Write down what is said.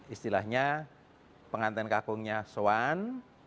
istilahnya penganten kagungnya soan